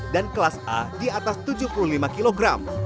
dan kelas a di atas tujuh puluh lima kg